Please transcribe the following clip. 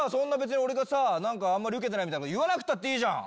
俺があんまりウケてないみたいの言わなくたっていいじゃん。